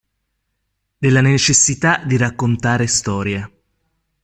Della necessità di raccontare storie.